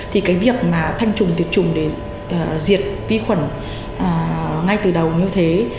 thì cái việc mà thanh trùng tiệt trùng để diệt vi khuẩn ngay từ đầu như thế